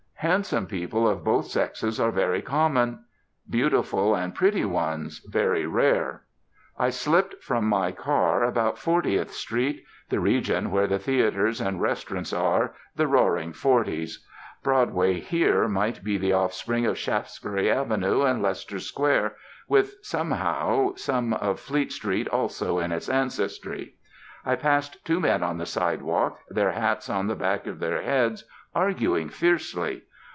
Handsome people of both sexes are very common; beautiful, and pretty, ones very rare.... I slipped from my car up about Fortieth Street, the region where the theatres and restaurants are, the 'roaring forties.' Broadway here might be the offspring of Shaftesbury Avenue and Leicester Square, with, somehow, some of Fleet Street also in its ancestry. I passed two men on the sidewalk, their hats on the back of their heads, arguing fiercely.